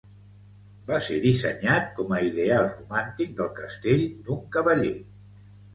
Va ser dissenyat com a ideal romàntic del castell d'un cavaller.